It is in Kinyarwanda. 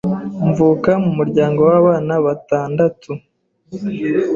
mvuka mu muryango w’abana batandatu,